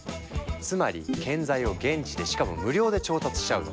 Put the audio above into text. つまり建材を現地でしかも無料で調達しちゃうの。